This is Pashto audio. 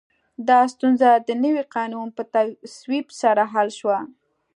دا ستونزه د نوي قانون په تصویب سره حل شوه.